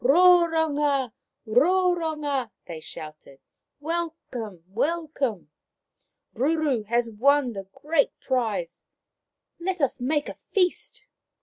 " Roronga ! Roronga !" they shouted. " Welcome ! Welcome ! Ruru has won the great prize. Let us make a feast."